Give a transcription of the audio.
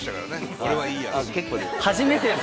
俺はいいや。